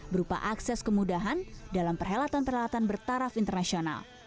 berupa akses kemudahan dalam perhelatan perhelatan bertaraf internasional